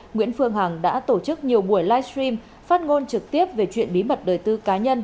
nguyễn phương hằng đã tổ chức nhiều buổi livestream phát ngôn trực tiếp về chuyện bí mật đời tư cá nhân